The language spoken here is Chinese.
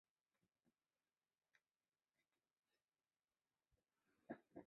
但工具链这个词汇也可指涉这些工具并无此相依执行的限制。